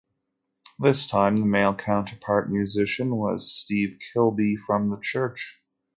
This time, the male, counterpart musician was Steve Kilbey from The Church.